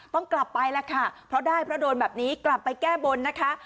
ต้องกลับไปแล้วค่ะเพราะได้เพราะโดนแบบนี้กลับไปแก้บนนะคะ